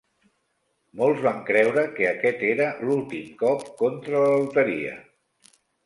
Molts van creure que aquest era l'últim cop contra la loteria.